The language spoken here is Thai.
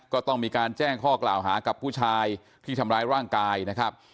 ก็ต้องมีการแจ้งข้อกล่าวหากับผู้ชายที่ทำร้ายร่างกายนะครับ